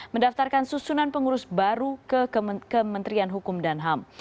mendaftarkan susunan pengurus baru ke kementerian hukum dan ham